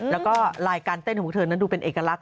แล้วก็ลายการเต้นของพวกเธอนั้นดูเป็นเอกลักษ